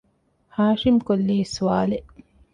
؟ ހާޝިމް ކޮށްލީ ސްވާލެއް